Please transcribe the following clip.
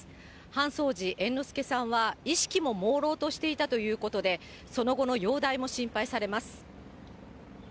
搬送時、猿之助さんは意識ももうろうとしていたということで、その後の容体も心配されます。